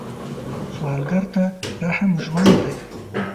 سوالګر ته رحم ژوند دی